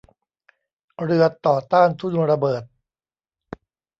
เรือต่อต้านทุ่นระเบิด